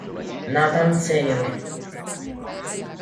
Nathan Sr.